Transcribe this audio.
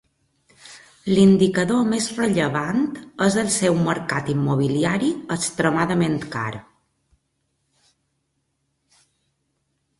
L'indicador més rellevant és el seu mercat immobiliari extremadament car.